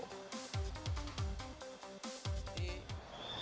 sebelumnya timnas sepak bola indonesia akan menangkan pertempuran di liga menang